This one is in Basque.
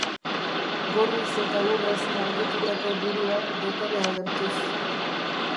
Gorriz eta urrez margotutako burua dotore agertuz.